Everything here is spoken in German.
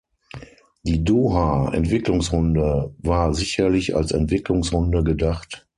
Die Doha-Entwicklungsrunde war sicherlich als Entwicklungsrunde gedacht.